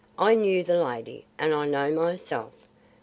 I knew the lady, and I know myself.